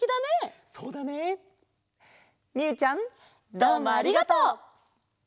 どうもありがとう！